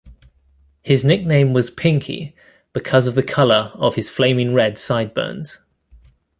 His nickname was Pinky, "because of the color of his flaming red "side-burns.